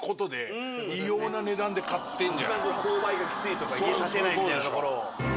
勾配がきついとか家建てないみたいな所を。